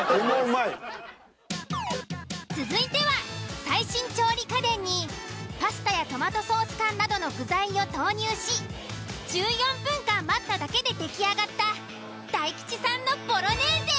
続いては最新調理家電にパスタやトマトソース缶などの具材を投入し１４分間待っただけででき上がった大吉さんのボロネーゼ。